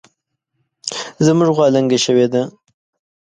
زمونږ غوا لنګه شوې ده